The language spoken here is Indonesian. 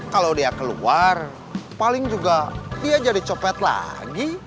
kalau dia keluar paling juga dia jadi copet lagi